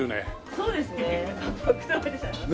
そうですね。